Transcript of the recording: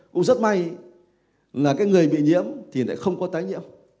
cũng rất may là cái người bị nhiễm thì lại không có tái nhiễm